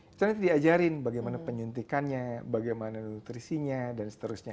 setelah itu diajarin bagaimana penyuntikannya bagaimana nutrisinya dan seterusnya